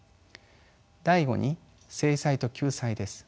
第５に制裁と救済です。